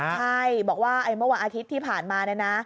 ใช่บอกว่าเมื่อวันอาทิตย์ที่ผ่านมาเนี่ยนะ